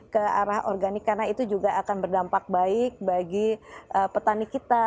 ke arah organik karena itu juga akan berdampak baik bagi petani kita